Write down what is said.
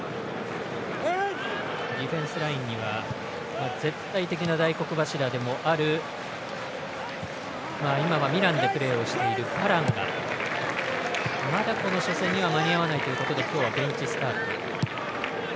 ディフェンスラインには絶対的な大黒柱でもある今はミランでプレーをしているバランがまだこの初戦には間に合わないということでベンチスタート。